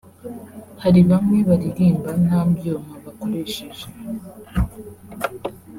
Hari bamwe baririmba nta byuma bakoresheje